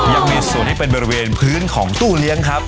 ยังมีส่วนที่เป็นบริเวณพื้นของตู้เลี้ยงครับ